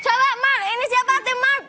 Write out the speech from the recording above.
coba mark ini siapa tim mark